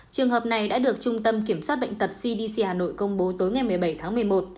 trường hợp này đã được trung tâm kiểm soát bệnh tật cdc hà nội công bố tối ngày một mươi bảy tháng một mươi một